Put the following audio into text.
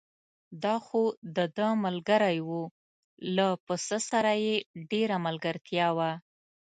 دا خو دده ملګری و، له پسه سره یې ډېره ملګرتیا وه.